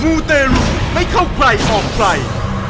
มูเตรุไม่เข้าใครออกใคร